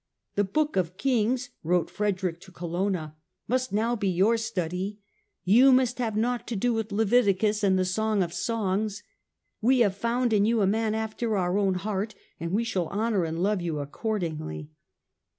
" The Book of Kings," wrote Frederick to Colonna, " must now be your study ; you must have nought to do with Leviticus and the Song of Songs. We have found in you a man after our own heart and we shall honour and love you accordingly."